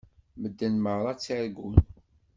Medden meṛṛa ttargun.